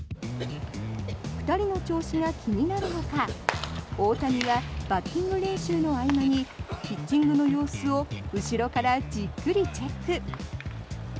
２人の調子が気になるのか大谷はバッティング練習の合間にピッチングの様子を後ろからじっくりチェック。